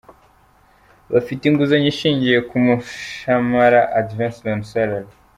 Bafite inguzanyo ishingiye ku mushamara “Advance on Salary”.